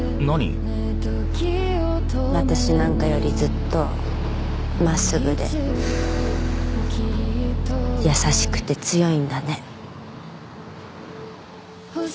私なんかよりずっと真っすぐで優しくて強いんだね。